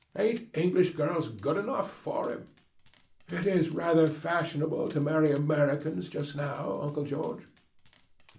Ain't English girls good enough for him?" "It is rather fashionable to marry Americans just now, Uncle George."